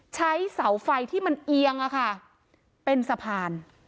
ใช้เสาไฟที่มันเอียงอ่ะค่ะเป็นสะพาน